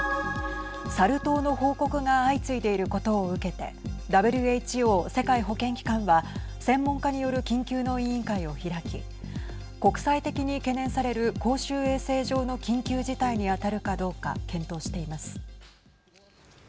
サル痘の報告が相次いでいることを受けてＷＨＯ＝世界保健機関は専門家による緊急の委員会を開き国際的に懸念される公衆衛生上の緊急事態に当たるかどうか検討しています。